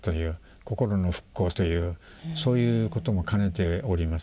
心の復興というそういうことも兼ねております。